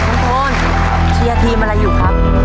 โฟนเชียร์ทีมอะไรอยู่ครับ